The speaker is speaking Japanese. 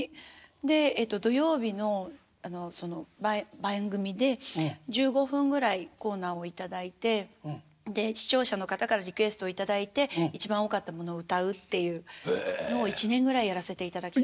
でえっと土曜日の番組で１５分ぐらいコーナーを頂いて視聴者の方からリクエストを頂いて一番多かったものを歌うっていうのを１年ぐらいやらせていただきました。